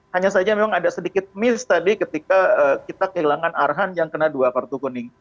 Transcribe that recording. hanya saja memang ada sedikit miss tadi ketika kita kehilangan arhan yang kena dua kartu kuning